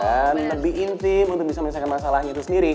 dan lebih intim untuk bisa menyelesaikan masalahnya itu